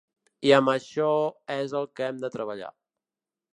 I amb això és el que hem de treballar.